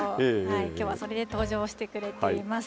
きょうはそれで登場してくれています。